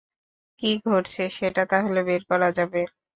কী ঘটছে সেটা তাহলে বের করা যাবে!